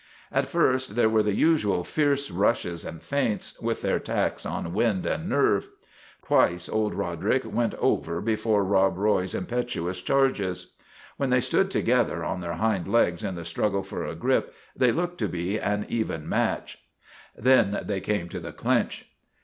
" At first there were the usual fierce rushes and feints, with their tax on wind and nerve. Twice old Roderick went over before Rob Roy's impet uous charges. When they stood together on their hind legs in the struggle for a grip they looked to be an even match. Then they came to the clinch."